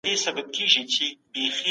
ایا د وارداتو لپاره کومه بدیله لار سته؟